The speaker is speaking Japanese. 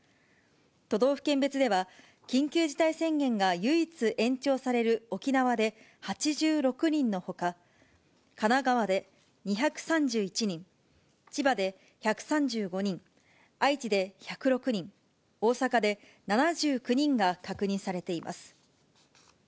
都道府県別では、緊急事態宣言が唯一延長される沖縄で８６人のほか、神奈川で２３１人、千葉で１３５人、愛知で１０６人、大阪で７９人が確認されています。